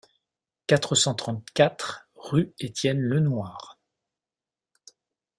quatre cent trente-quatre rue Etienne Lenoir